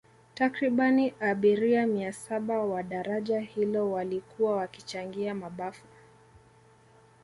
Takribani abiria mia saba wa daraja hilo walikuwa wakichangia mabafu